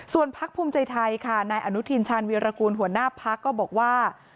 ส่วนพักภูมิใจไทยค่ะนายอนุทินชาญวีรกูลหัวหน้าพักก็บอกว่า